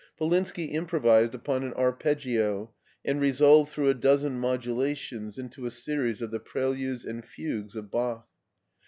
Polinski improvised upon an arpeggio and resolved through a dozen modulations into a series of the pre ludes and fugues of Bach.